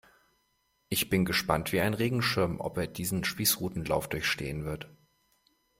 Ich bin gespannt wie ein Regenschirm, ob er diesen Spießrutenlauf durchstehen wird.